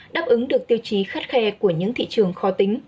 đáp ứng được tiêu chí khắt khe của những thị trường khó tính